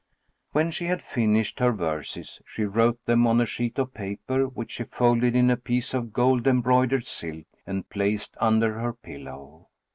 When she had finished her verses, she wrote them on a sheet of paper, which she folded in a piece of golf embroidered silk and placed under her pillow.